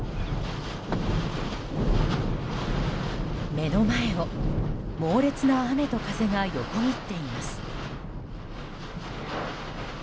目の前を猛烈な雨と風が横切っています。